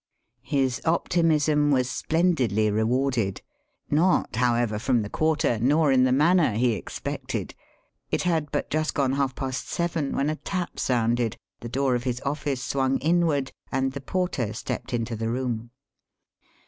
His optimism was splendidly rewarded. Not, however, from the quarter nor in the manner he expected. It had but just gone half past seven when a tap sounded, the door of his office swung inward, and the porter stepped into the room.